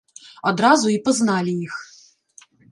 Адразу і пазналі іх.